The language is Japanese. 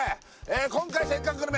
今回「せっかくグルメ！！」